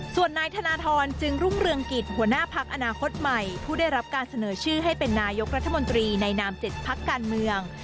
ส่วนนายธนทรจึงรุ่งเรืองกิจหัวหน้าพักอนาคตใหม่ผู้ได้รับการเสนอชื่อให้เป็นนายกรัฐมนตรีในนาม๗พักการเมือง